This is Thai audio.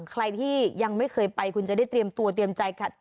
ใครที่ยังไม่เคยไปคุณจะได้เตรียมตัวเตรียมใจ